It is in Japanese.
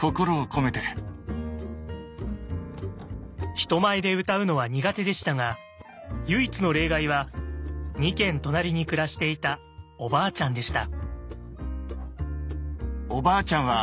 人前で歌うのは苦手でしたが唯一の例外は２軒隣に暮らしていたおばあちゃんでした。